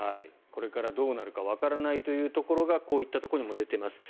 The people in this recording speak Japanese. これからどうなるかわからないというところがこういったところにも出ています。